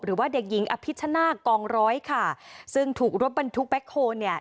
หรือว่าเด็กหญิงอภิชนาคกองร้อยค่ะซึ่งถูกรถบรรทุกแบ็คโฮลเนี่ย